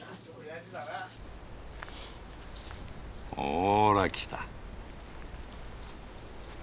ほら来た。